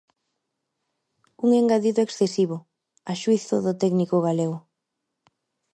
Un engadido excesivo, a xuízo do técnico galego.